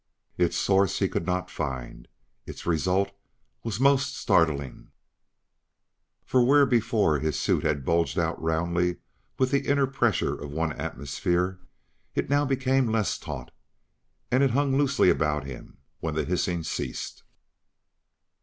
Its source he could not find; its result was most startling. For, where before his suit had bulged out roundly with the inner pressure of one atmosphere, it now became less taut and it hung loosely about him when the hissing ceased.